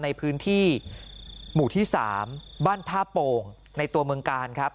ในพื้นที่หมู่ที่๓บ้านท่าโป่งในตัวเมืองกาลครับ